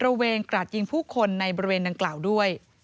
ระเวงกราดยิงผู้คนในบริเวณดังกล่าวด้วย